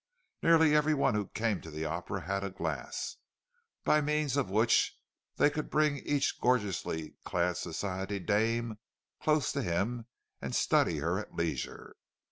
Nearly every one who came to the Opera had a glass, by means of which he could bring each gorgeously clad society dame close to him, and study her at leisure.